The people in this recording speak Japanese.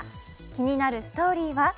気になるストーリーは？